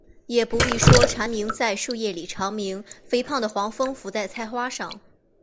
也不必说鸣蝉在树叶里长吟，肥胖的黄蜂伏在菜花上